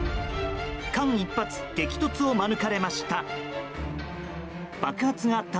間一髪、激突を免れました。